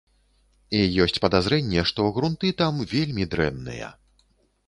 І ёсць падазрэнне, што грунты там вельмі дрэнныя.